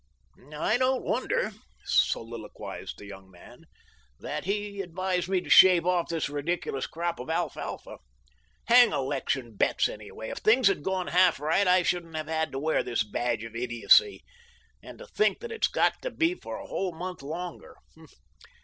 "I don't wonder," soliloquized the young man, "that he advised me to shave off this ridiculous crop of alfalfa. Hang election bets, anyway; if things had gone half right I shouldn't have had to wear this badge of idiocy. And to think that it's got to be for a whole month longer!